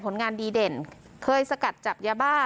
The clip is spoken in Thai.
ผลงานดีเด่นเคยสกัดจับยาบ้า